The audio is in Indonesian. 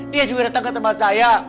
dia juga datang ke tempat saya